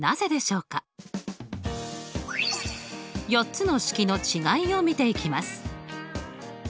４つの式の違いを見ていきます。